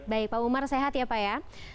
baik pak umar sehat ya pak ya